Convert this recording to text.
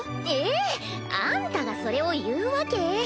ええ！あんたがそれを言うわけ？